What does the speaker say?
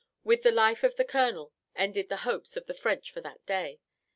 With the life of the colonel ended the hopes of the French for that day.